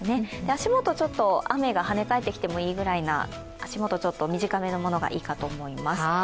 足元、雨が跳ね返ってもいいように足元、短めのものがいいかと思います。